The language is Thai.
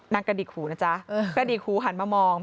กระดิกหูนะจ๊ะกระดิกหูหันมามอง